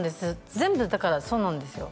全部だからそうなんですよ